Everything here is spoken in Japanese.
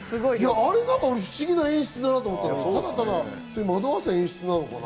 あれ不思議な演出だなと思って、惑わす演出なのかな？